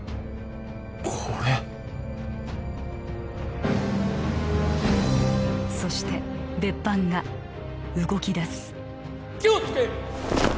これそして別班が動きだす気をつけ！